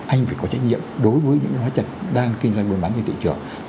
anh phải có trách nhiệm đối với những hóa chất đang kinh doanh buôn bán trên thị trường